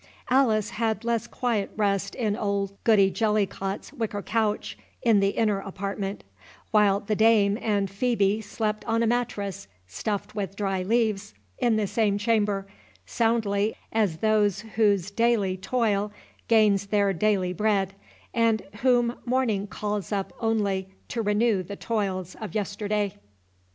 Alice had less quiet rest in old Goody Jellycot's wicker couch, in the inner apartment; while the dame and Phœbe slept on a mattress, stuffed with dry leaves, in the same chamber, soundly as those whose daily toil gains their daily bread, and, whom morning calls up only to renew the toils of yesterday.